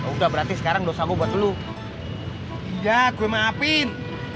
udah berarti sekarang dosa gua buat lu iya gue maafin